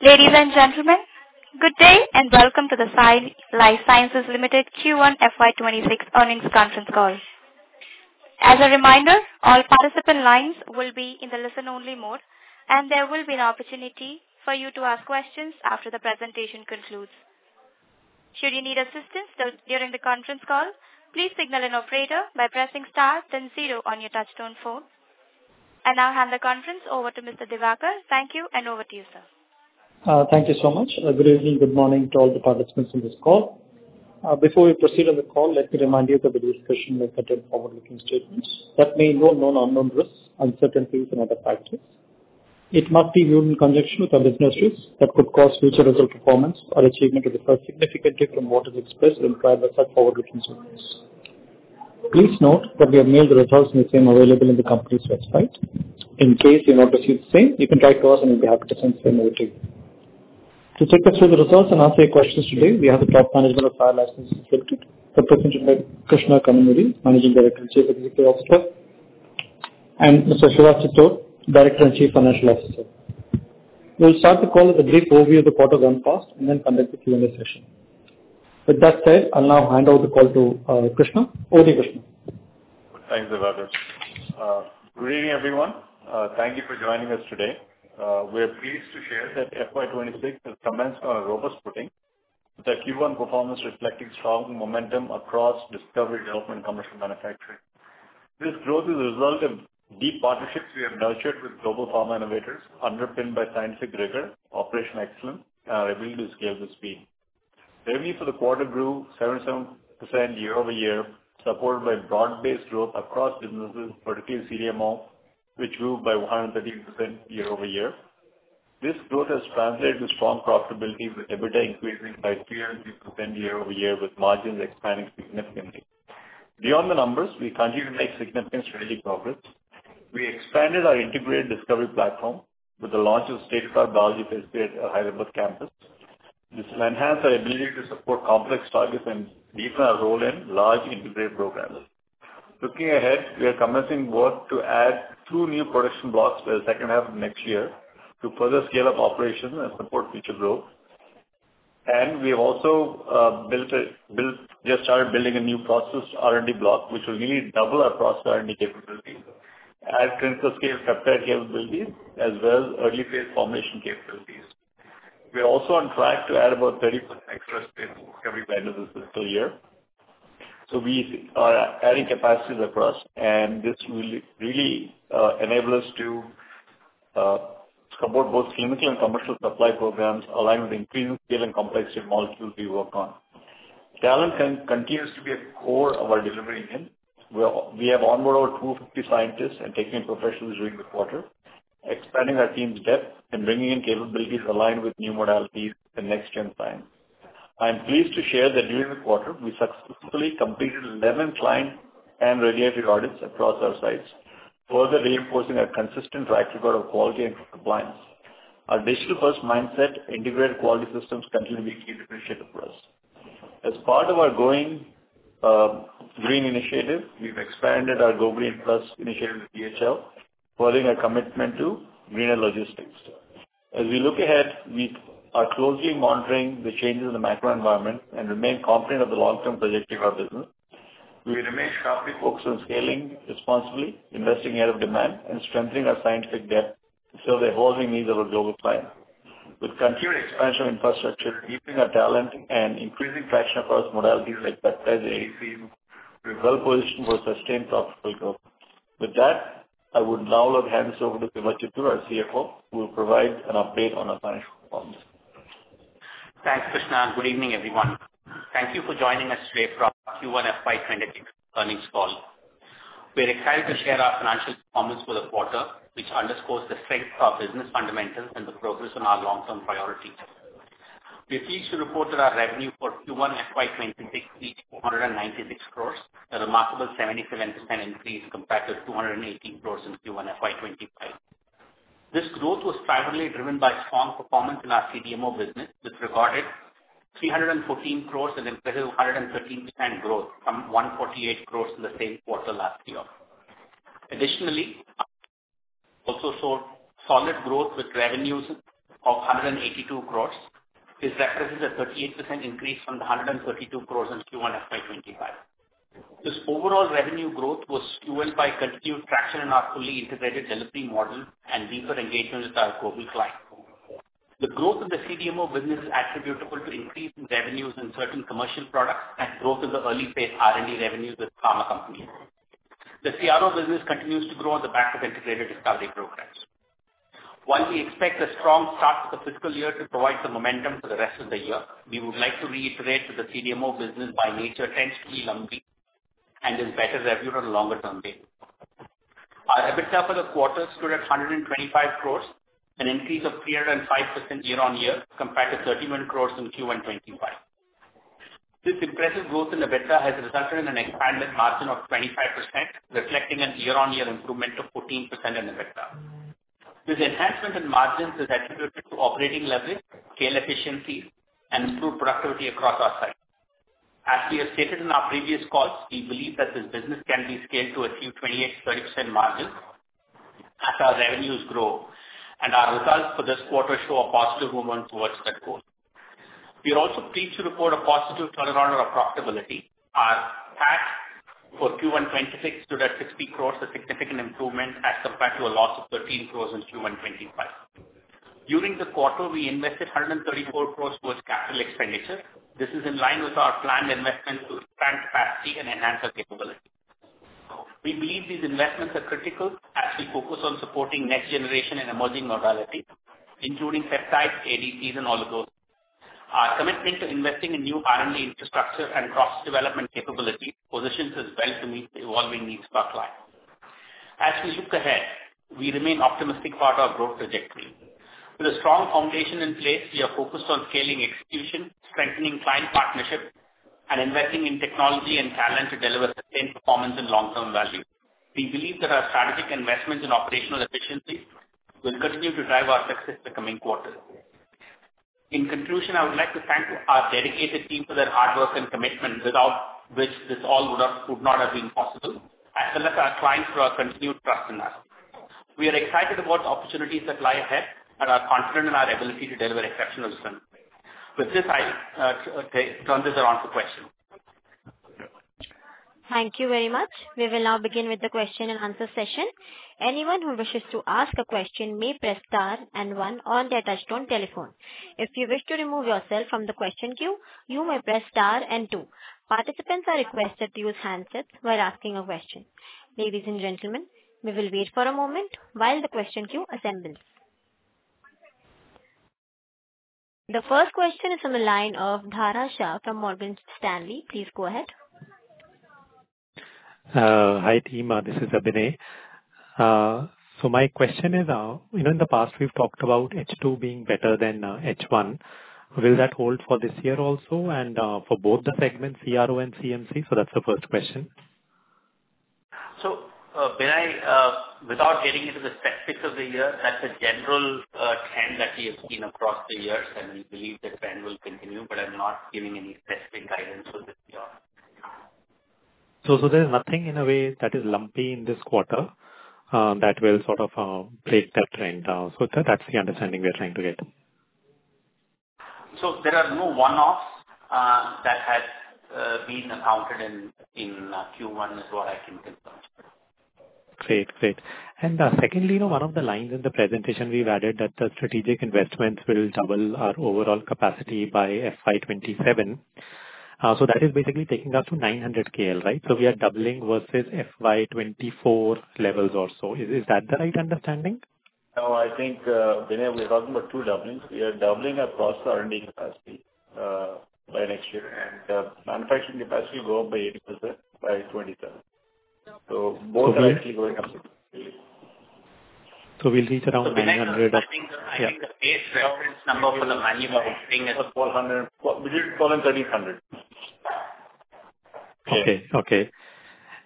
Ladies and gentlemen, good day and welcome to the Sai Life Sciences Limited Q1 FY26 Earnings Conference Call. As a reminder, all participant lines will be in the listen-only mode, and there will be an opportunity for you to ask questions after the presentation concludes. Should you need assistance during the conference call, please signal an operator by pressing star then zero on your touch-tone phone, and I'll hand the conference over to Mr. Diwakar. Thank you, and over to you, sir. Thank you so much. Good evening, good morning to all the participants in this call. Before we proceed on the call, let me remind you that the discussion will contain forward-looking statements that may involve known unknown risks, uncertainties, and other factors. It must be viewed in conjunction with the business risk that could cause future result performance or achievements to differ significantly from what is expressed in the prior forward-looking statements. Please note that we have mailed the results in the same way available on the company's website. In case you want to see the same, you can write to us, and we'll be happy to send the same over to you. To take us through the results and answer your questions today, we have the top management of Sai Life Sciences Limited, represented by Krishna Kanumuri, Managing Director and Chief Executive Officer, and Mr. Siva Chittor, Director and Chief Financial Officer. We'll start the call with a brief overview of the quarter just past and then conduct the Q&A session. With that said, I'll now hand over the call to Krishna. Over to you, Krishna. Thanks, Diwakar. Good evening, everyone. Thank you for joining us today. We're pleased to share that FY26 has commenced on a robust footing, with the Q1 performance reflecting strong momentum across discovery development, commercial manufacturing. This growth is a result of deep partnerships we have nurtured with global pharma innovators, underpinned by scientific rigor, operational excellence, and our ability to scale with speed. Revenue for the quarter grew 77% year-over-year, supported by broad-based growth across businesses, particularly CDMO, which grew by 113% year-over-year. This growth has translated to strong profitability, with EBITDA increasing by 373% year-over-year, with margins expanding significantly. Beyond the numbers, we continue to make significant strategic progress. We expanded our integrated discovery platform with the launch of a state-of-the-art biology facility at the Hyderabad campus. This will enhance our ability to support complex targets and deepen our role in large integrated programs. Looking ahead, we are commencing work to add two new production blocks by the second half of next year to further scale up operations and support future growth, and we have also just started building a new process R&D block, which will nearly double our process R&D capabilities, add clinical scale capabilities, as well as early phase formulation capabilities. We are also on track to add about 30% extra space in discovery plant this fiscal year, so we are adding capacities across, and this will really enable us to support both clinical and commercial supply programs, aligned with increasing scale and complexity of molecules we work on. Talent continues to be a core of our delivery engine. We have onboarded over 250 scientists and technical professionals during the quarter, expanding our team's depth and bringing in capabilities aligned with new modalities and next-gen science. I'm pleased to share that during the quarter, we successfully completed 11 client and regulatory audits across our sites, further reinforcing our consistent track record of quality and compliance. Our digital-first mindset, integrated quality systems, continue to be key differentiators for us. As part of our growing green initiative, we've expanded our GoGreen Plus initiative with DHL, furthering our commitment to greener logistics. As we look ahead, we are closely monitoring the changes in the macro environment and remain confident of the long-term trajectory of our business. We remain sharply focused on scaling responsibly, investing ahead of demand, and strengthening our scientific depth to serve the evolving needs of our global clients. With continued expansion of infrastructure, deepening our talent, and increasing traction across modalities like peptides and ADCs, we're well-positioned for sustained profitable growth. With that, I would now love to hand this over to Siva Chittor, our CFO, who will provide an update on our financial performance. Thanks, Krishna. Good evening, everyone. Thank you for joining us today for our Q1 FY26 Earnings Call. We're excited to share our financial performance for the quarter, which underscores the strength of our business fundamentals and the focus on our long-term priorities. We're pleased to report that our revenue for Q1 FY26 reached 496 crores, a remarkable 77% increase compared to 218 crores in Q1 FY25. This growth was primarily driven by strong performance in our CDMO business, which recorded 314 crores and impressive 113% growth from 148 crores in the same quarter last year. Additionally, we also saw solid growth with revenues of 182 crores, which represents a 38% increase from the 132 crores in Q1 FY25. This overall revenue growth was fueled by continued traction in our fully integrated delivery model and deeper engagement with our global clients. The growth in the CDMO business is attributable to increasing revenues in certain commercial products and growth in the early phase R&D revenues with pharma companies. The CRO business continues to grow on the back of integrated discovery programs. While we expect a strong start to the fiscal year to provide some momentum for the rest of the year, we would like to reiterate that the CDMO business by nature tends to be lumpy and is better viewed on a longer-term basis. Our EBITDA for the quarter stood at 125 crores, an increase of 305% year-on-year compared to 31 crores in Q1 2025. This impressive growth in EBITDA has resulted in an expanded margin of 25%, reflecting a year-on-year improvement of 14% in EBITDA. This enhancement in margins is attributed to operating leverage, scale efficiencies, and improved productivity across our site. As we have stated in our previous calls, we believe that this business can be scaled to achieve 28%-30% margins as our revenues grow, and our results for this quarter show a positive movement towards that goal. We are also pleased to report a positive turnaround on our profitability. Our PAT for Q1 2026 stood at 60 crores, a significant improvement as compared to a loss of 13 crores in Q1 2025. During the quarter, we invested 134 crores towards capital expenditure. This is in line with our planned investment to expand capacity and enhance our capability. We believe these investments are critical as we focus on supporting next-generation and emerging modalities, including peptides, ADCs, and all of those. Our commitment to investing in new R&D infrastructure and process development capabilities positions us well to meet the evolving needs of our clients. As we look ahead, we remain optimistic about our growth trajectory. With a strong foundation in place, we are focused on scaling execution, strengthening client partnerships, and investing in technology and talent to deliver sustained performance and long-term value. We believe that our strategic investments in operational efficiency will continue to drive our success in the coming quarter. In conclusion, I would like to thank our dedicated team for their hard work and commitment, without which this all would not have been possible, as well as our clients for our continued trust in us. We are excited about the opportunities that lie ahead and are confident in our ability to deliver exceptional results. With this, I turn this around to questions. Thank you very much. We will now begin with the question-and-answer session. Anyone who wishes to ask a question may press star and one on their touch-tone telephone. If you wish to remove yourself from the question queue, you may press star and two. Participants are requested to use handsets while asking a question. Ladies and gentlemen, we will wait for a moment while the question queue assembles. The first question is from the line of Dhara Shah from Morgan Stanley. Please go ahead. Hi team, this is Abhinay. So my question is, in the past, we've talked about H2 being better than H1. Will that hold for this year also and for both the segments, CRO and CMC? So that's the first question. So Abhinay, without getting into the specifics of the year, that's a general trend that we have seen across the years, and we believe the trend will continue, but I'm not giving any specific guidance on this year. So there's nothing in a way that is lumpy in this quarter that will sort of break that trend down. So that's the understanding we're trying to get. There are no one-offs that have been accounted in Q1, is what I can confirm. Great. Great. And secondly, one of the lines in the presentation we've added that the strategic investments will double our overall capacity by FY27. So that is basically taking us to 900 KL, right? So we are doubling versus FY24 levels or so. Is that the right understanding? No, I think we're talking about two doublings. We are doubling our process R&D capacity by next year, and manufacturing capacity will go up by 80% by FY27. So both are actually going up. So we'll reach around 900? I think the base reference number for the manufacturing is 400. We didn't call in 3,500. Okay.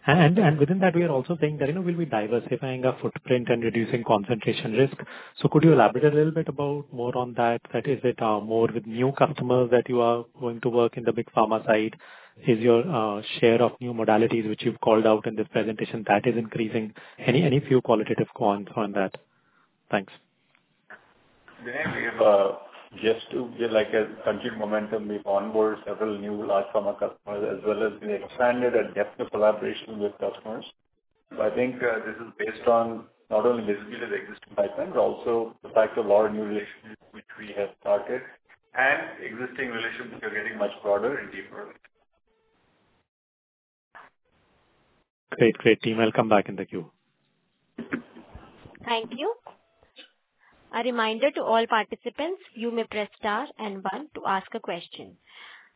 And within that, we are also saying that we'll be diversifying our footprint and reducing concentration risk. So could you elaborate a little bit more on that? Is it more with new customers that you are going to work in the big pharma side? Is your share of new modalities which you've called out in this presentation that is increasing? Any qualitative color on that? Thanks. We have a gist too. We had a continued momentum. We've onboarded several new large pharma customers, as well as we've expanded our depth of collaboration with customers. So I think this is based on not only visibility of existing pipelines, but also the fact of our new relationships which we have started, and existing relationships are getting much broader and deeper. Great. Great, team. I'll come back in the queue. Thank you. A reminder to all participants, you may press star and one to ask a question.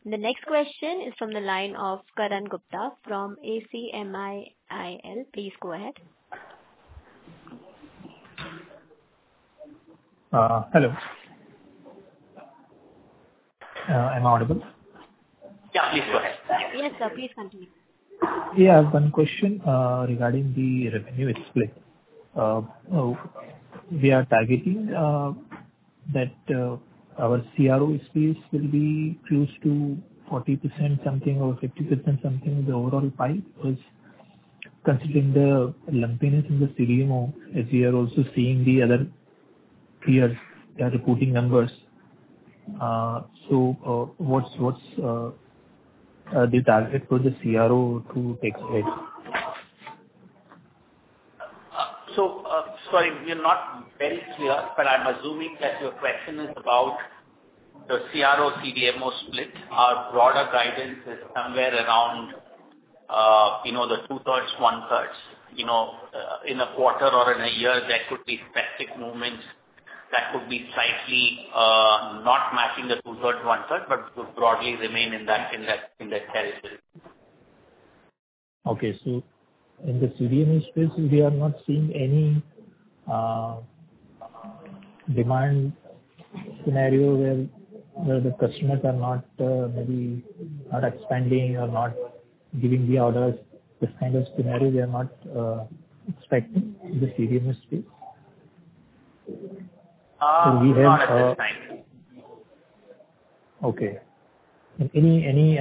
The next question is from the line of Karan Gupta from ACMIIL. Please go ahead. Hello. Am I audible? Yeah, please go ahead. Yes, sir. Please continue. Yeah, one question regarding the revenue split. We are targeting that our CRO space will be close to 40%, something over 50%, something in the overall pie, considering the lumpiness in the CDMO, as we are also seeing the other peers that are reporting numbers. So what's the target for the CRO to take ahead? So sorry, we're not very clear, but I'm assuming that your question is about the CRO-CDMO split. Our broader guidance is somewhere around the two-thirds, one-thirds. In a quarter or in a year, there could be specific movements that could be slightly not matching the two-thirds, one-third, but would broadly remain in that territory. In the CDMO space, we are not seeing any demand scenario where the customers are not expanding or not giving the orders. This kind of scenario, we are not expecting in the CDMO space. We are not expecting. Okay. Any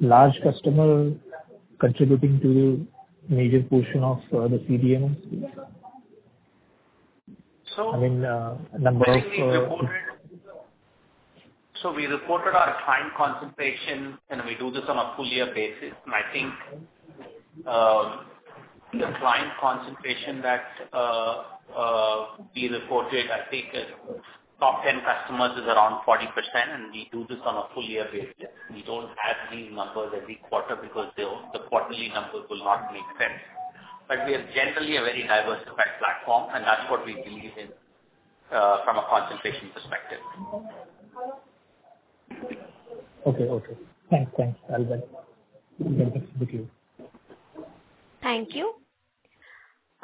large customer contributing to the major portion of the CDMO space? I mean, number of. So we reported our client concentration, and we do this on a full-year basis. And I think the client concentration that we reported, I think, top 10 customers is around 40%, and we do this on a full-year basis. We don't add these numbers every quarter because the quarterly numbers will not make sense. But we are generally a very diversified platform, and that's what we believe in from a concentration perspective. Okay. Okay. Thanks. Thanks. I'll get back to the queue. Thank you.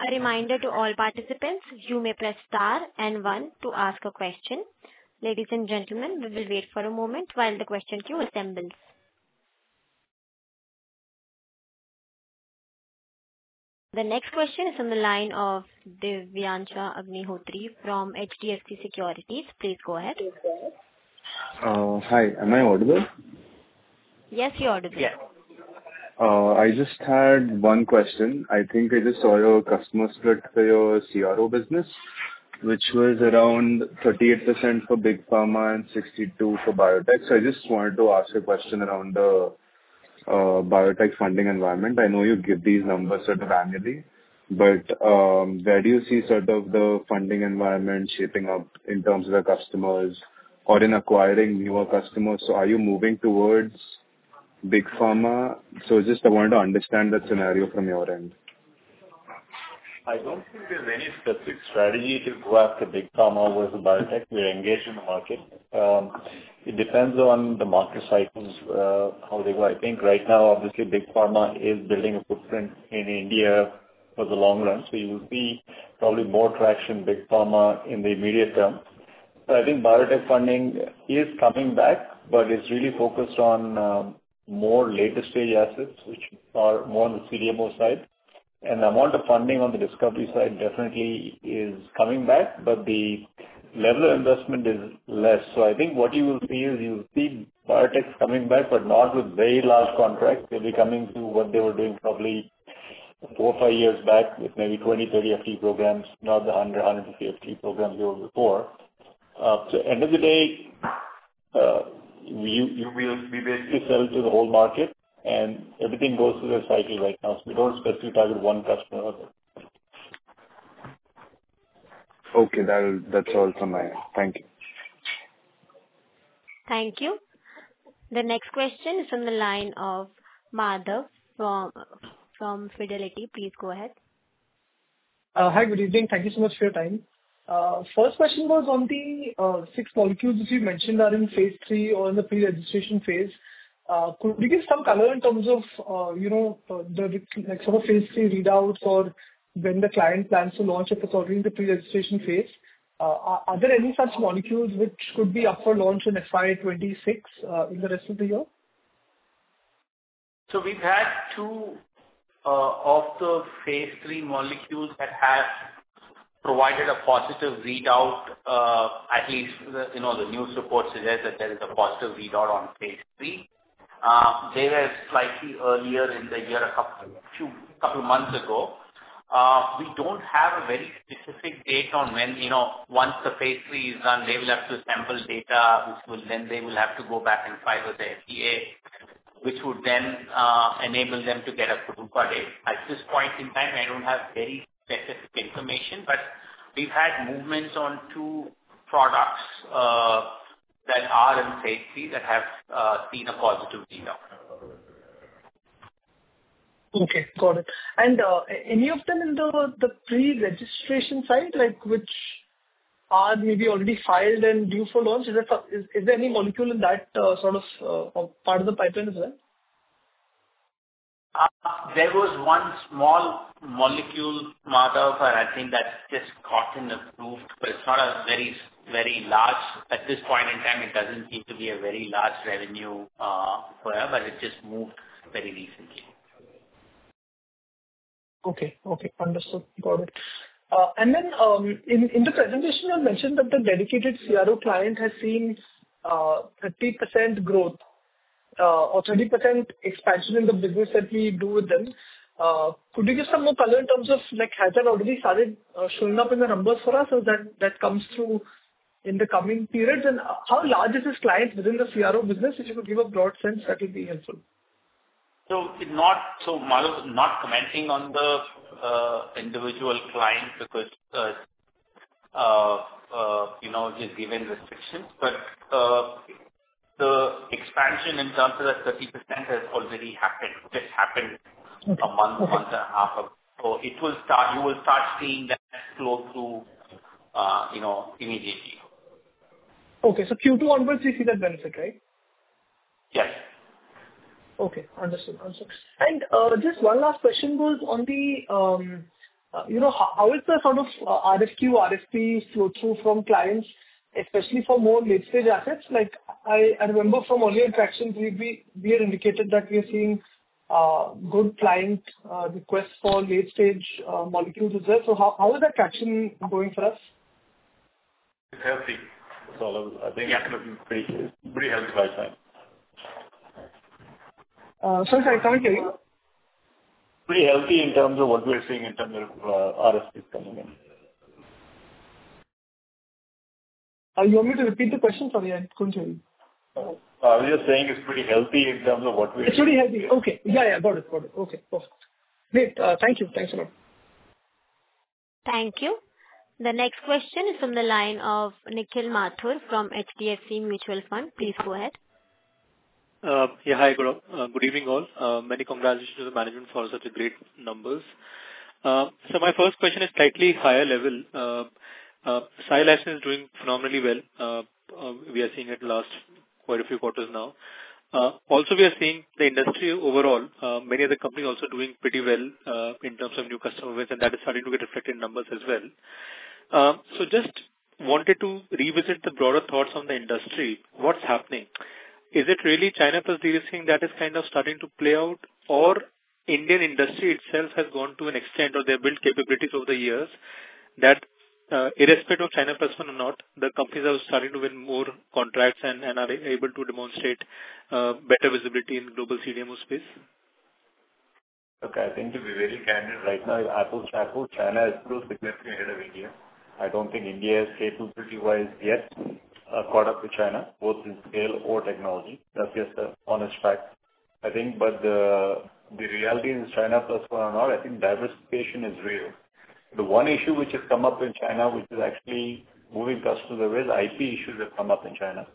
A reminder to all participants, you may press star and one to ask a question. Ladies and gentlemen, we will wait for a moment while the question queue assembles. The next question is from the line of Divyaxa Agnihotr from HDFC Securities. Please go ahead. Hi. Am I audible? Yes, you're audible. Yes. I just had one question. I think I just saw your customer split for your CRO business, which was around 38% for big pharma and 62% for biotech. So I just wanted to ask a question around the biotech funding environment. I know you give these numbers sort of annually, but where do you see sort of the funding environment shaping up in terms of the customers or in acquiring newer customers? So are you moving towards big pharma? So I just wanted to understand that scenario from your end. I don't think there's any specific strategy to go after big pharma versus biotech. We're engaged in the market. It depends on the market cycles, how they go. I think right now, obviously, big pharma is building a footprint in India for the long run. So you will see probably more traction in big pharma in the immediate term. So I think biotech funding is coming back, but it's really focused on more later-stage assets, which are more on the CDMO side. And the amount of funding on the discovery side definitely is coming back, but the level of investment is less. So I think what you will see is you'll see biotechs coming back, but not with very large contracts. They'll be coming to what they were doing probably four or five years back with maybe 20, 30 FTE programs, not the 100, 150 FTE programs they were before. So end of the day, you will be basically selling to the whole market, and everything goes through the cycle right now. So we don't specifically target one customer or other. Okay. That's all from my end. Thank you. Thank you. The next question is from the line of Madhav from Fidelity. Please go ahead. Hi, good evening. Thank you so much for your time. First question was on the six molecules which you mentioned are in phase III or in the pre-registration phase. Could we get some color in terms of some of the phase three readouts or when the client plans to launch those in the pre-registration phase? Are there any such molecules which could be up for launch in FY26 or in the rest of the year? So we've had two of the phase three molecules that have provided a positive readout, at least the news report suggests that there is a positive readout on phase III. They were slightly earlier in the year, a couple of months ago. We don't have a very specific date on when once the phase III is done, they will have to assemble data, which will then have to go back and file with the FDA, which would then enable them to get approval date. At this point in time, I don't have very specific information, but we've had movements on two products that are in phase III that have seen a positive readout. Okay. Got it. And any of them in the pre-registration side, which are maybe already filed and due for launch? Is there any molecule in that sort of part of the pipeline as well? There was one small molecule, Madhav, but I think that's just gotten approved. But it's not a very, very large at this point in time. It doesn't seem to be a very large revenue for us, but it just moved very recently. Okay. Okay. Understood. Got it. And then in the presentation, you mentioned that the dedicated CRO client has seen 30% growth or 30% expansion in the business that we do with them. Could you give some more color in terms of has that already started showing up in the numbers for us, or that comes through in the coming periods? And how large is this client within the CRO business? If you could give a broad sense, that would be helpful. Madhav is not commenting on the individual client because he's given restrictions. The expansion in terms of that 30% has already happened, just happened a month and a half ago. You will start seeing that flow through immediately. Okay. So Q2 onwards, you see that benefit, right? Yes. Okay. Understood. Understood. And just one last question was on the how is the sort of RFQ, RFP flow-through from clients, especially for more late-stage assets? I remember from earlier traction, we had indicated that we are seeing good client requests for late-stage molecules as well. So how is that traction going for us? It's healthy, so I think it's pretty healthy by design. Sorry, sorry. Can we hear you? Pretty healthy in terms of what we're seeing in terms of RFPs coming in. You want me to repeat the question? Sorry, I couldn't hear you. I was just saying it's pretty healthy in terms of what we're seeing. It's pretty healthy. Okay. Yeah, yeah. Got it. Got it. Okay. Perfect. Great. Thank you. Thanks a lot. Thank you. The next question is from the line of Nikhil Mathur from HDFC Mutual Fund. Please go ahead. Yeah. Hi. Good evening, all. Many congratulations to the management for such great numbers. So my first question is slightly higher level. Sai Life Sciences is doing phenomenally well. We are seeing it last quite a few quarters now. Also, we are seeing the industry overall, many of the companies also doing pretty well in terms of new customer base, and that is starting to get reflected in numbers as well. So just wanted to revisit the broader thoughts on the industry. What's happening? Is it really China Plus One that is kind of starting to play out, or Indian industry itself has gone to an extent, or they've built capabilities over the years that, irrespective of China Plus One or not, the companies are starting to win more contracts and are able to demonstrate better visibility in the global CDMO space? Okay. I think to be very candid, right now, I think China is still significantly ahead of India. I don't think India is KSM-wise yet caught up with China, both in scale or technology. That's just an honest fact, I think. But the reality in China Plus One or not, I think diversification is real. The one issue which has come up in China, which is actually moving customers away, is IP issues that have come up in China,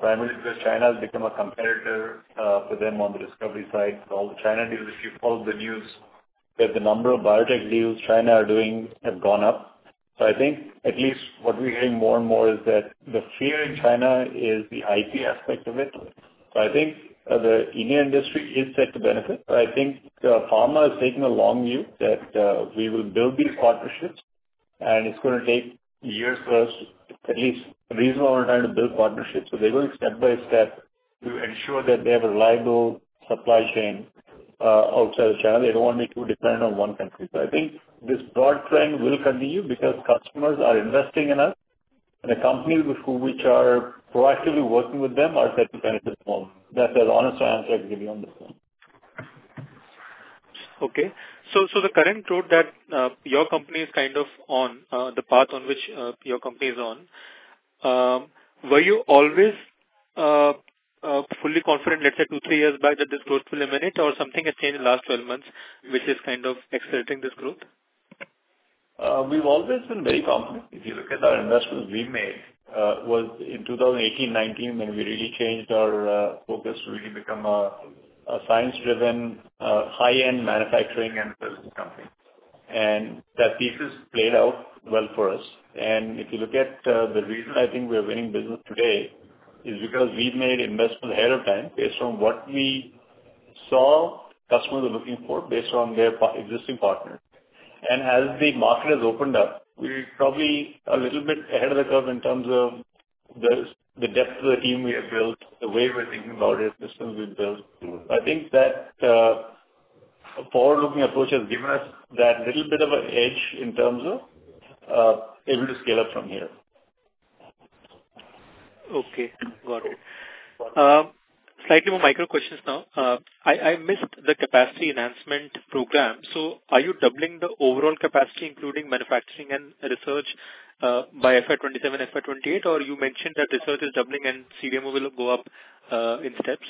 primarily because China has become a competitor for them on the discovery side. So all the China deals, if you follow the news, that the number of biotech deals China is doing has gone up. So I think at least what we're hearing more and more is that the fear in China is the IP aspect of it. So I think the Indian industry is set to benefit. I think pharma is taking a long view that we will build these partnerships, and it's going to take years for us, at least reasonable amount of time to build partnerships. They're going step by step to ensure that they have a reliable supply chain outside of China. They don't want to be too dependent on one country. I think this broad trend will continue because customers are investing in us, and the companies with whom we are proactively working with them are set to benefit more. That's the honest answer I can give you on this one. Okay. So the current road that your company is kind of on, the path on which your company is on, were you always fully confident, let's say, two, three years back, that this growth will eliminate, or something has changed in the last 12 months, which is kind of accelerating this growth? We've always been very confident. If you look at our investments we made, it was in 2018, 2019, when we really changed our focus to really become a science-driven, high-end manufacturing and services company, and that piece has played out well for us, and if you look at the reason I think we're winning business today is because we've made investments ahead of time based on what we saw customers were looking for based on their existing partners, and as the market has opened up, we're probably a little bit ahead of the curve in terms of the depth of the team we have built, the way we're thinking about it, the systems we've built. I think that forward-looking approach has given us that little bit of an edge in terms of able to scale up from here. Okay. Got it. Slightly more micro questions now. I missed the capacity enhancement program. So are you doubling the overall capacity, including manufacturing and research by FY27, FY28, or you mentioned that research is doubling and CDMO will go up in steps?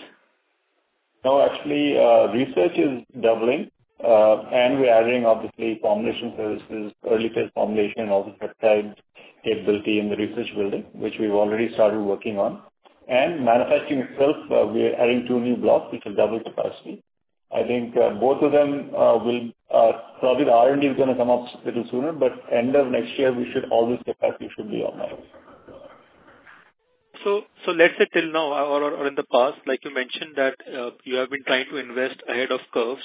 No, actually, research is doubling, and we're adding, obviously, formulation services, early phase formulation, all the peptide capability in the research building, which we've already started working on, and manufacturing itself, we're adding two new blocks, which are double capacity. I think both of them will probably the R&D is going to come up a little sooner, but end of next year, all this capacity should be online. So let's say till now or in the past, like you mentioned that you have been trying to invest ahead of the curve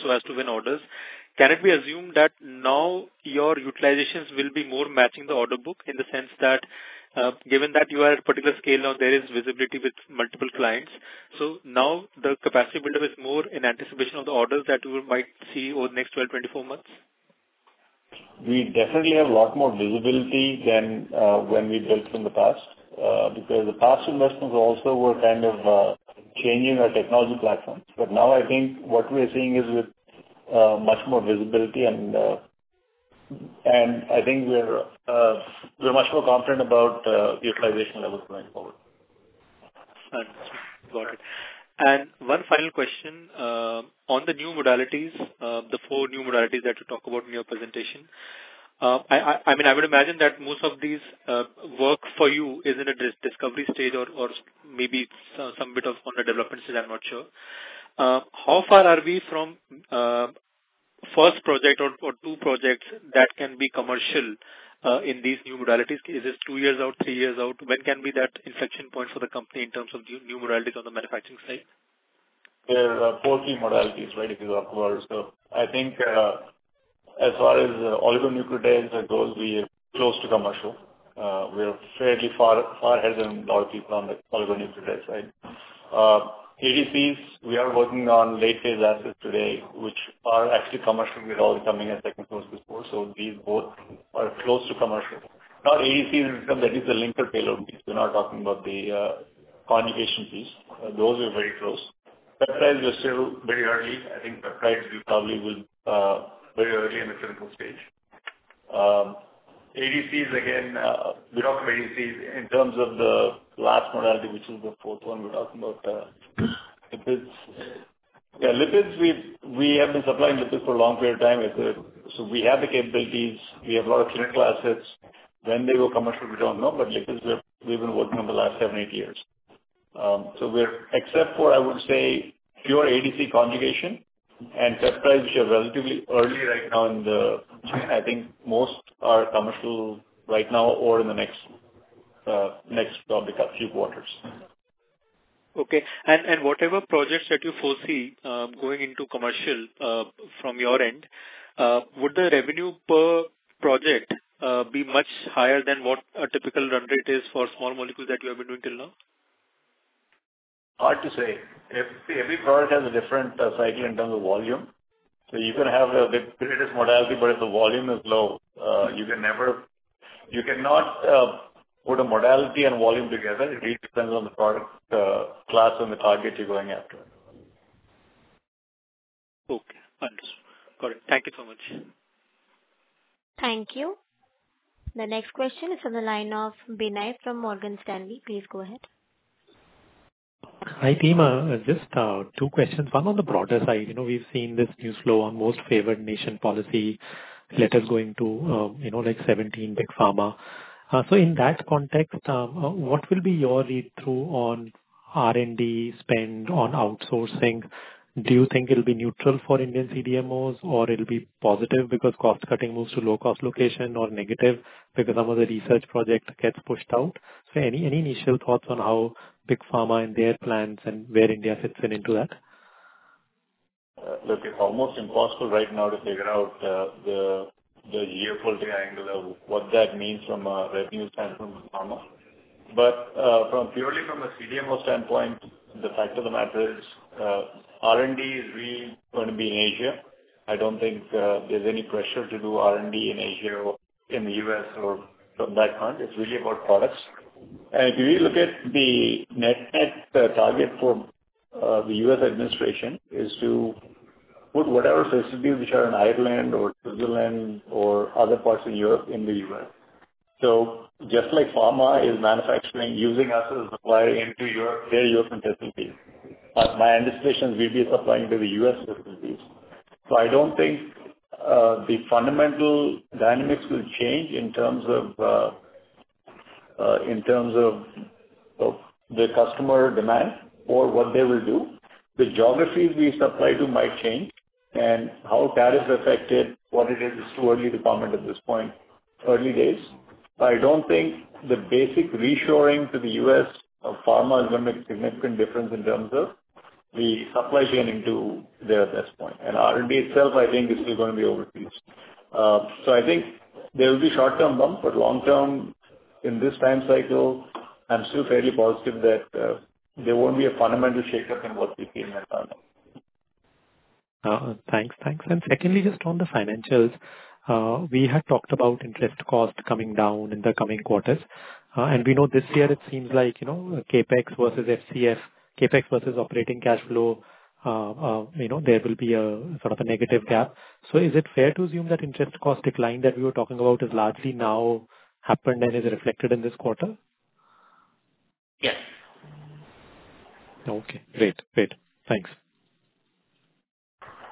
so as to win orders. Can it be assumed that now your utilizations will be more matching the order book in the sense that given that you are at a particular scale or there is visibility with multiple clients, so now the capacity buildup is more in anticipation of the orders that you might see over the next 12-24 months? We definitely have a lot more visibility than when we built from the past because the past investments also were kind of changing our technology platforms. But now I think what we're seeing is with much more visibility, and I think we're much more confident about utilization levels going forward. Got it. And one final question. On the new modalities, the four new modalities that you talked about in your presentation, I mean, I would imagine that most of these work for you is in a discovery stage or maybe some bit of on the development stage. I'm not sure. How far are we from first project or two projects that can be commercial in these new modalities? Is this two years out, three years out? When can be that inflection point for the company in terms of new modalities on the manufacturing side? There are four key modalities, right, if you talk about. So I think as far as oligonucleotides and those, we are close to commercial. We are fairly far ahead than a lot of people on the oligonucleotide side. ADCs, we are working on late-phase assets today, which are actually commercial. We're all becoming a second source of support. So these both are close to commercial. Now, ADCs in terms of at least the linker payload piece, we're not talking about the conjugation piece. Those are very close. Peptides are still very early. I think peptides will probably be very early in the clinical stage. ADCs, again, we talk about ADCs in terms of the last modality, which is the fourth one we're talking about. Yeah, lipids, we have been supplying lipids for a long period of time. So we have the capabilities. We have a lot of clinical assets. When they go commercial, we don't know, but lipids, we've been working on the last seven, eight years. So except for, I would say, pure ADC conjugation and peptides, which are relatively early right now in the chain, I think most are commercial right now or in the next probably a few quarters. Okay. And whatever projects that you foresee going into commercial from your end, would the revenue per project be much higher than what a typical run rate is for small molecules that you have been doing till now? Hard to say. Every product has a different cycle in terms of volume. So you can have the greatest modality, but if the volume is low, you cannot put a modality and volume together. It really depends on the product class and the target you're going after. Okay. Understood. Got it. Thank you so much. Thank you. The next question is from the line of Binay from Morgan Stanley. Please go ahead. Hi, team. Just two questions. One on the broader side. We've seen this new flow on most favored nation policy letters going to like 17 big pharma. So in that context, what will be your read-through on R&D spend on outsourcing? Do you think it'll be neutral for Indian CDMOs, or it'll be positive because cost-cutting moves to low-cost location, or negative because some of the research project gets pushed out? So any initial thoughts on how big pharma and their plans and where India fits in into that? Look, it's almost impossible right now to figure out the year for the angle of what that means from a revenue standpoint for pharma, but purely from a CDMO standpoint, the fact of the matter is R&D is really going to be in Asia. I don't think there's any pressure to do R&D in Asia or in the U.S. or that kind. It's really about products, and if you really look at the net target for the U.S. administration, it is to put whatever facilities which are in Ireland or Switzerland or other parts of Europe in the U.S. So just like pharma is manufacturing, using us as a supplier into their European facilities, my anticipation is we'll be supplying to the U.S. facilities, so I don't think the fundamental dynamics will change in terms of the customer demand or what they will do. The geographies we supply to might change, and how that is affected, what it is, is too early to comment at this point, early days. But I don't think the basic reshoring to the U.S. of pharma is going to make a significant difference in terms of the supply chain into their best point. And R&D itself, I think, is still going to be overseas. So I think there will be short-term bump, but long-term, in this time cycle, I'm still fairly positive that there won't be a fundamental shakeup in what we've seen in that time. Thanks. Thanks. And secondly, just on the financials, we had talked about interest cost coming down in the coming quarters. And we know this year, it seems like CapEx versus FCF, CapEx versus operating cash flow, there will be sort of a negative gap. So is it fair to assume that interest cost decline that we were talking about has largely now happened and is reflected in this quarter? Yes. Okay. Great. Great. Thanks.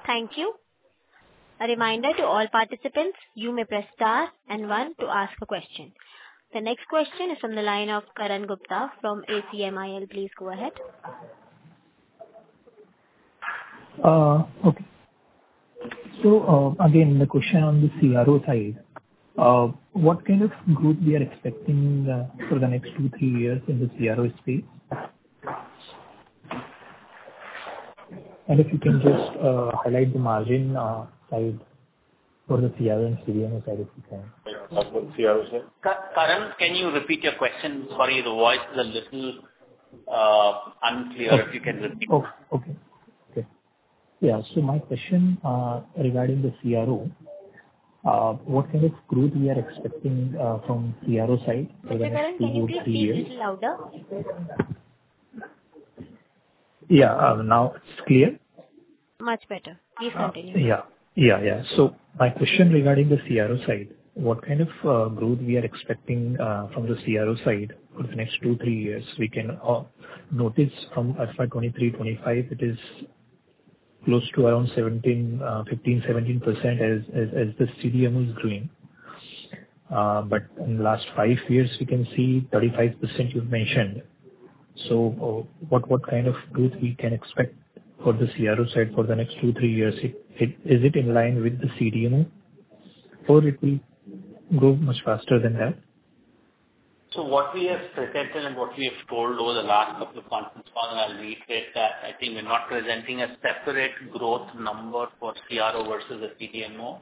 Thank you. A reminder to all participants, you may press star and one to ask a question. The next question is from the line of Karan Gupta from ACMIIL. Please go ahead. Okay. So again, the question on the CRO side, what kind of growth we are expecting for the next two, three years in the CRO space? And if you can just highlight the margin side for the CRO and CDMO side if you can? What's the CRO side? Karan, can you repeat your question? Sorry, the voice is a little unclear if you can repeat. So my question regarding the CRO, what kind of growth we are expecting from CRO side for the next two, three, four years? Karan, can you repeat it a little louder? Yeah. Now it's clear? Much better. Please continue. Yeah. So my question regarding the CRO side, what kind of growth we are expecting from the CRO side for the next two, three years? We can notice from FY2023, 2025, it is close to around 15%-17% as the CDMO is growing. But in the last five years, we can see 35% you've mentioned. So what kind of growth we can expect for the CRO side for the next two, three years? Is it in line with the CDMO, or it will grow much faster than that? So what we have presented and what we have told over the last couple of months, and I'll reiterate that, I think we're not presenting a separate growth number for CRO versus the CDMO.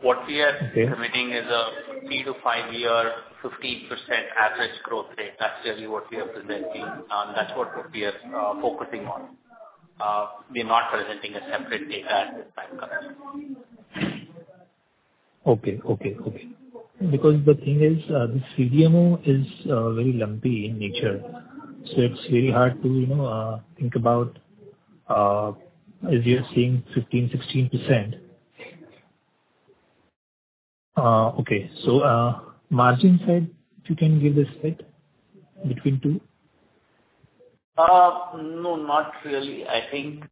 What we are presenting is a three- to five-year 15% average growth rate. That's really what we are presenting. That's what we are focusing on. We're not presenting a separate data at this time, Karan. Okay. Because the thing is, the CDMO is very lumpy in nature. So it's really hard to think about, as you're seeing, 15%-16%. Okay. So margin side, if you can give the split between two? No, not really. I think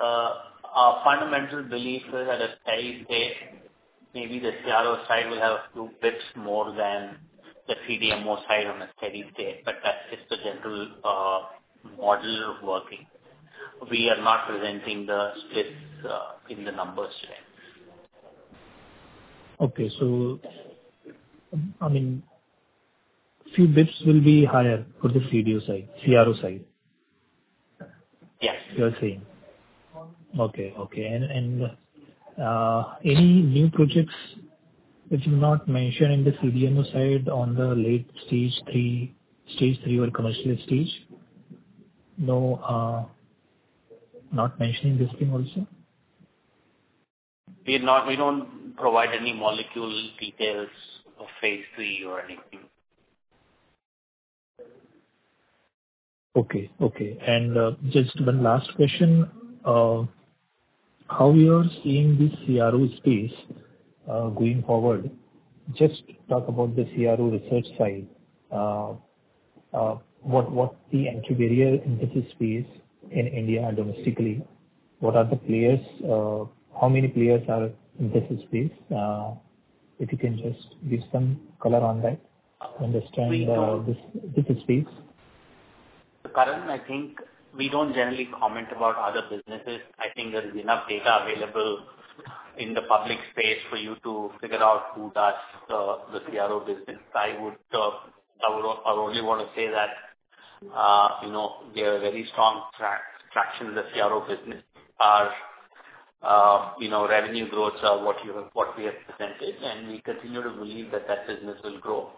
our fundamental belief is at a steady state. Maybe the CRO side will have a few bits more than the CDMO side on a steady state, but that's just the general model of working. We are not presenting the splits in the numbers yet. Okay. So I mean, a few bits will be higher for the CDMO side, CRO side. Yes. You're saying. Okay. Okay. And any new projects that you've not mentioned in the CDMO side on the late stage three, stage three or commercial stage? No? Not mentioning this thing also? We don't provide any molecule details of phase III or anything. Okay. Okay. And just one last question. How you're seeing the CRO space going forward? Just talk about the CRO research side. What's the entry barrier in this space in India and domestically? What are the players? How many players are in this space? If you can just give some color on that to understand this space. Karan, I think we don't generally comment about other businesses. I think there is enough data available in the public space for you to figure out who does the CRO business. I would only want to say that we have a very strong traction in the CRO business. Our revenue growths are what we have presented, and we continue to believe that that business will grow.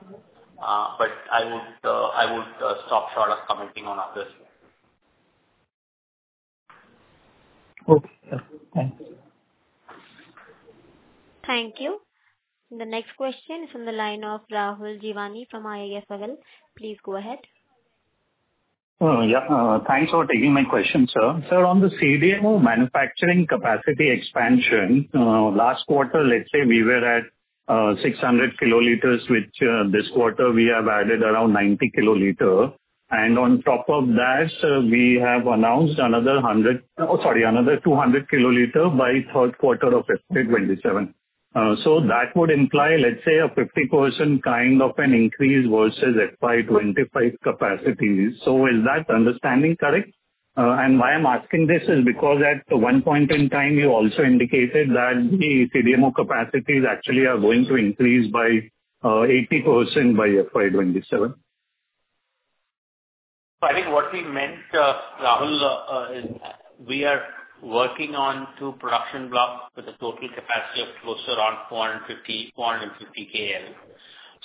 But I would stop short of commenting on others. Okay. Thanks. Thank you. The next question is from the line of Rahul Jeewani from IIFL Securities. Please go ahead. Yeah. Thanks for taking my question, sir. So on the CDMO manufacturing capacity expansion, last quarter, let's say we were at 600 kiloliters, which this quarter we have added around 90 kiloliters. And on top of that, we have announced another 100, oh, sorry, another 200 kiloliters by third quarter of FY27. So that would imply, let's say, a 50% kind of an increase versus FY25 capacity. So is that understanding correct? And why I'm asking this is because at one point in time, you also indicated that the CDMO capacities actually are going to increase by 80% by FY27. So I think what we meant, Rahul, is we are working on two production blocks with a total capacity of closer around 450, 450 KL.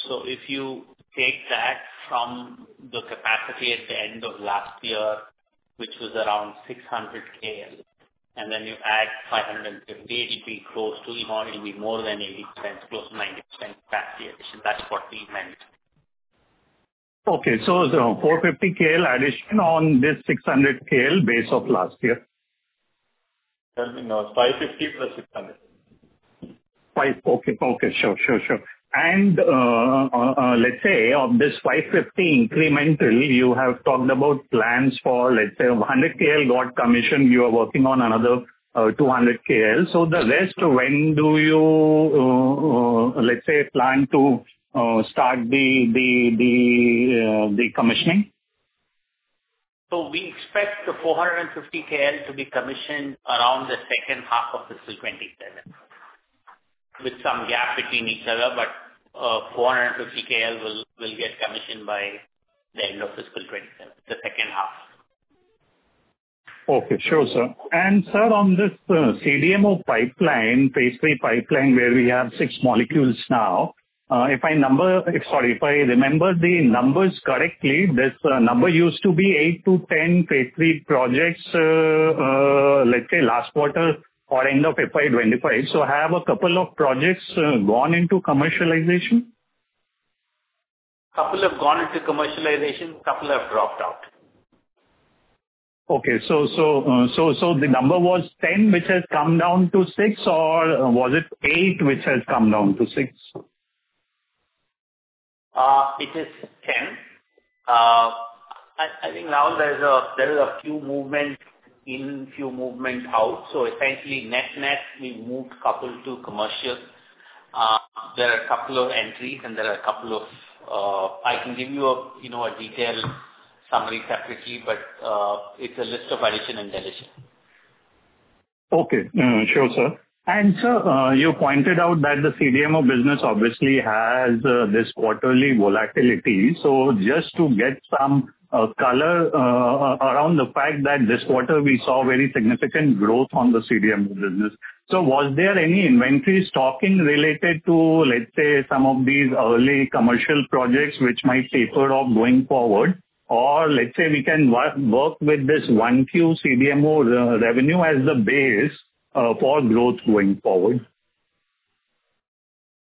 So if you take that from the capacity at the end of last year, which was around 600 KL, and then you add 550, it'll be close to even it'll be more than 80%, close to 90% capacity addition. That's what we meant. Okay. So it's around 450 KL addition on this 600 KL base of last year? No, it's 550 plus 600. Okay. Sure, and let's say on this 550 incremental, you have talked about plans for, let's say, 100 KL got commissioned. You are working on another 200 KL. So the rest, when do you, let's say, plan to start the commissioning? We expect the 450 KL to be commissioned around the second half of fiscal 2027, with some gap between each other, but 450 KL will get commissioned by the end of fiscal 2027, the second half. Okay. Sure, sir. Sir, on this CDMO pipeline, phase III pipeline where we have six molecules now, if I remember the numbers correctly, this number used to be 8-10 phase III projects, let's say, last quarter or end of FY25. So have a couple of projects gone into commercialization? Couple have gone into commercialization. Couple have dropped out. Okay. So the number was 10, which has come down to six, or was it eight, which has come down to six? It is 10. I think, Rahul, there is a few movement in, few movement out. So essentially, net net, we've moved a couple to commercial. There are a couple of entries, and I can give you a detailed summary separately, but it's a list of addition and deletion. Okay. Sure, sir. And sir, you pointed out that the CDMO business obviously has this quarterly volatility. So just to get some color around the fact that this quarter, we saw very significant growth on the CDMO business. So was there any inventory stocking related to, let's say, some of these early commercial projects which might taper off going forward? Or let's say we can work with this Q1 CDMO revenue as the base for growth going forward?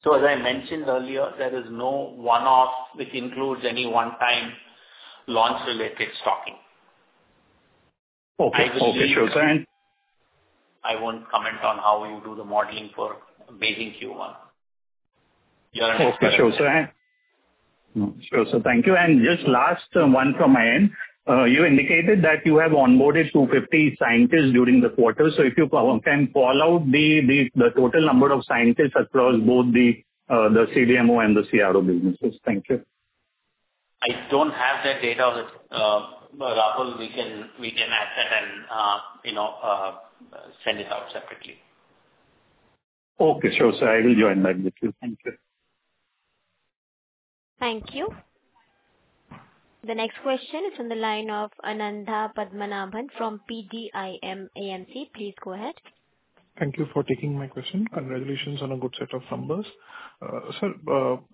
So as I mentioned earlier, there is no one-off which includes any one-time launch-related stocking. Okay. Okay. Sure. I won't comment on how you do the modeling for based in Q1. You're understanding? Sure. So thank you and just last one from my end. You indicated that you have onboarded 250 scientists during the quarter, so if you can call out the total number of scientists across both the CDMO and the CRO businesses? Thank you. I don't have that data. Rahul, we can add that and send it out separately. Okay. Sure. So I will join back with you. Thank you. Thank you. The next question is from the line of Anandha Padmanabhan from PGIM AMC. Please go ahead. Thank you for taking my question. Congratulations on a good set of numbers. Sir,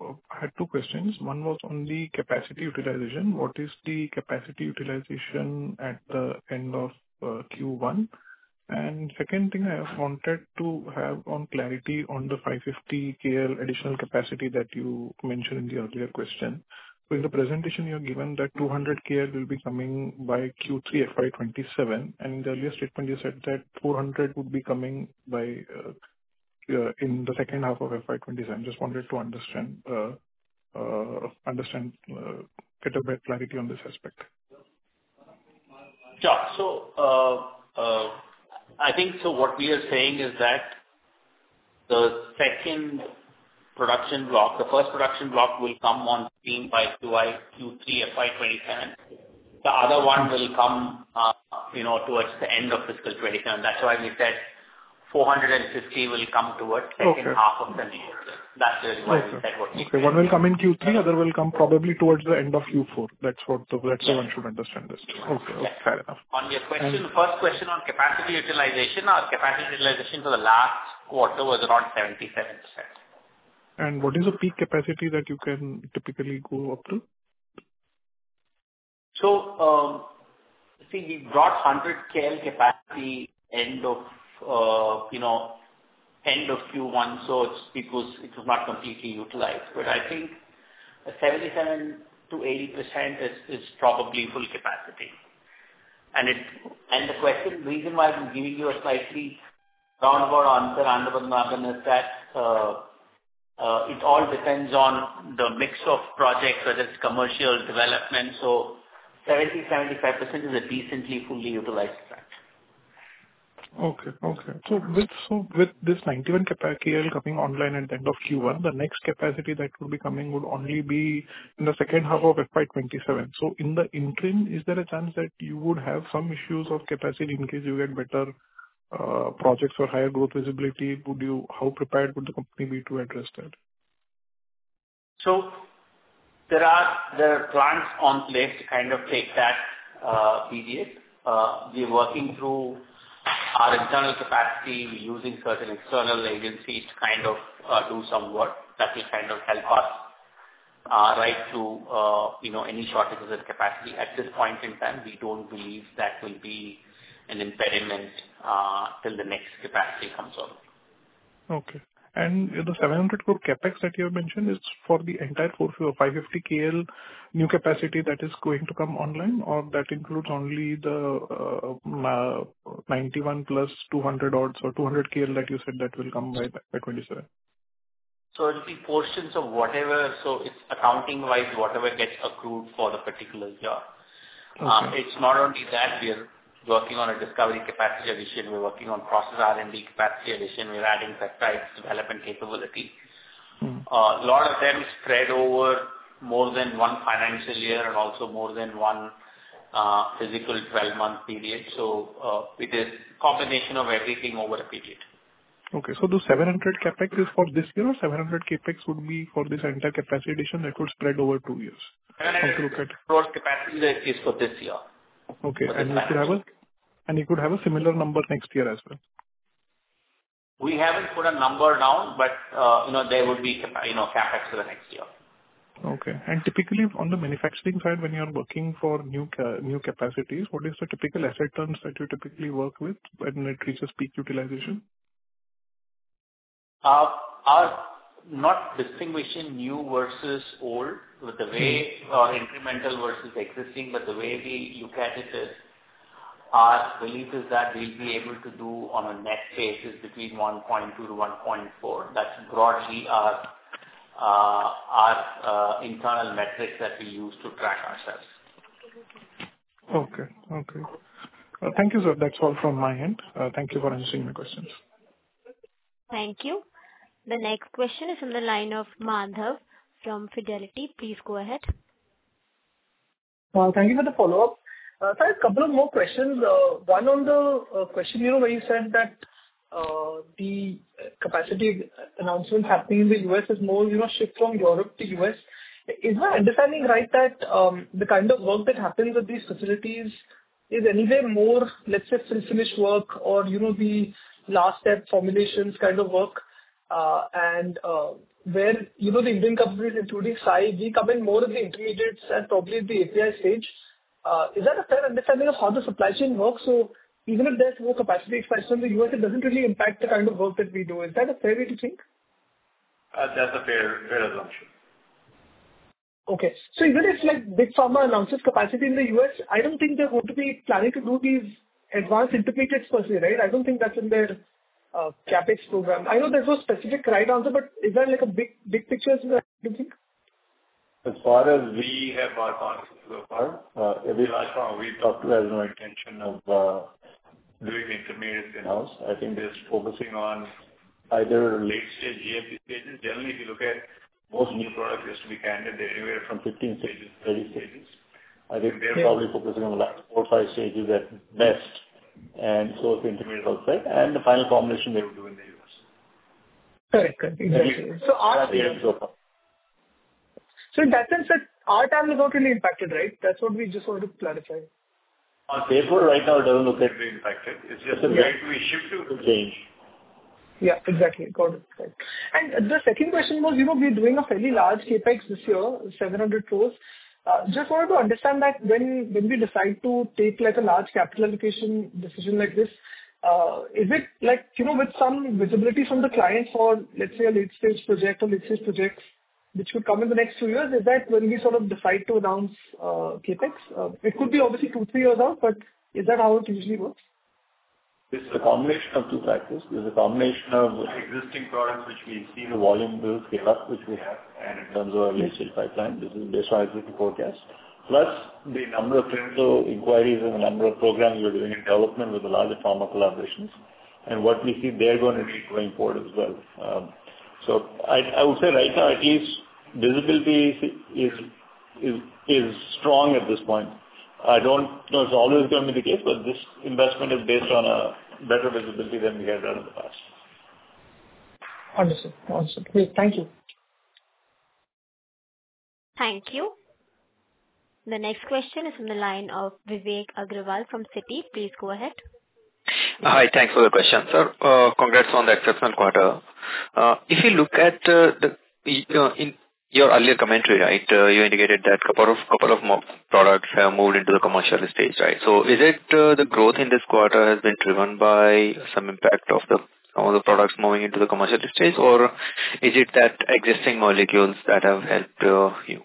I had two questions. One was on the capacity utilization. What is the capacity utilization at the end of Q1? And second thing, I have wanted to have clarity on the 550 KL additional capacity that you mentioned in the earlier question. So in the presentation, you have given that 200 KL will be coming by Q3, FY27. And in the earlier statement, you said that 400 would be coming in the second half of FY27. Just wanted to understand, get a better clarity on this aspect. Yeah. So I think what we are saying is that the second production block, the first production block will come on stream by Q3, FY27. The other one will come towards the end of fiscal 2027. That's why we said 450 will come towards second half of the new year. That's really why we said what we said. Okay. One will come in Q3. Other will come probably towards the end of Q4. That's the one should understand this. Okay. Fair enough. On your question, the first question on capacity utilization, our capacity utilization for the last quarter was around 77%. What is the peak capacity that you can typically go up to? So see, we brought 100 KL capacity end of Q1, so it's because it was not completely utilized. But I think 77%-80% is probably full capacity. And the question, the reason why I'm giving you a slightly roundabout answer, Anandha, is that it all depends on the mix of projects, whether it's commercial development. So 70%-75% is a decently fully utilized fact. Okay. So with this 91 KL coming online at the end of Q1, the next capacity that will be coming would only be in the second half of FY27. So in the interim, is there a chance that you would have some issues of capacity in case you get better projects or higher growth visibility? How prepared would the company be to address that? So there are plans in place to kind of bridge that period. We're working through our internal capacity. We're using certain external agencies to kind of do some work that will kind of help us get through any shortages in capacity. At this point in time, we don't believe that will be an impediment till the next capacity comes on. Okay. And the 700 CapEx that you have mentioned is for the entire 550 KL new capacity that is going to come online, or that includes only the 91 plus 200-odd or 200 KL that you said that will come by FY27? It'll be portions of whatever. It's accounting-wise, whatever gets accrued for the particular year. It's not only that. We are working on a discovery capacity addition. We're working on process R&D capacity addition. We're adding peptides development capability. A lot of them spread over more than one financial year and also more than one physical 12-month period. It is a combination of everything over a period. Okay. So the 700 CapEx is for this year, or 700 CapEx would be for this entire capacity addition that could spread over two years? 700 CapEx for this year. Okay, and you could have a similar number next year as well? We haven't put a number down, but there would be CapEx for the next year. Okay. And typically, on the manufacturing side, when you're working on new capacities, what is the typical asset turns that you typically work with when it reaches peak utilization? Not distinguishing new versus old or incremental versus existing, but the way we look at it is our belief is that we'll be able to do on a net basis between 1.2 to 1.4. That's broadly our internal metrics that we use to track ourselves. Okay. Okay. Thank you, sir. That's all from my end. Thank you for answering my questions. Thank you. The next question is from the line of Madhav from Fidelity. Please go ahead. Thank you for the follow-up. Sir, a couple of more questions. One on the questionnaire where you said that the capacity announcement happening in the U.S. is more shift from Europe to U.S. Is my understanding right that the kind of work that happens at these facilities is anyway more, let's say, finished work or the last-step formulations kind of work, and where the Indian companies, including SAI, we come in more at the intermediates and probably at the API stage? Is that a fair understanding of how the supply chain works, so even if there's more capacity expansion in the U.S., it doesn't really impact the kind of work that we do? Is that a fair way to think? That's a fair assumption. Okay. So even if big pharma announces capacity in the U.S., I don't think they're going to be planning to do these advanced intermediates per se, right? I don't think that's in their CapEx program. I know there's no specific right answer, but is there a big picture as well? As far as we have our thoughts so far, every large pharma we've talked to has no intention of doing intermediates in-house. I think they're just focusing on either late-stage GMP stages. Generally, if you look at most new products, they used to be candidate anywhere from 15 stages, 30 stages. I think they're probably focusing on the last four, five stages at best, and so it's intermediate outside. And the final formulation, they will do in the U.S. Correct. Correct. Exactly. So our time. That's the end so far. So in that sense, our time is not really impacted, right? That's what we just wanted to clarify. Our CapEx right now doesn't look like being impacted. It's just a way we shift to change. Yeah. Exactly. Got it. And the second question was, we're doing a fairly large CapEx this year, 700 crores. Just wanted to understand that when we decide to take a large capital allocation decision like this, is it with some visibility from the clients or, let's say, a late-stage project or late-stage projects which could come in the next few years? Is that when we sort of decide to announce CapEx? It could be obviously two, three years out, but is that how it usually works? This is a combination of two factors. There's a combination of existing products which we see the volume build-up, which we have, and in terms of our late-stage pipeline, this is based on our forecast, plus the number of clinical inquiries and the number of programs we're doing in development with the larger pharma collaborations, and what we see they're going to need going forward as well. So I would say right now, at least visibility is strong at this point. I don't know if it's always going to be the case, but this investment is based on a better visibility than we had done in the past. Understood. Understood. Great. Thank you. Thank you. The next question is from the line of Vivek Agarwal from Citi. Please go ahead. Hi. Thanks for the question, sir. Congrats on the exceptional quarter. If you look at your earlier commentary, right, you indicated that a couple of products have moved into the commercial stage, right? So is it the growth in this quarter has been driven by some impact of some of the products moving into the commercial stage, or is it that existing molecules that have helped you?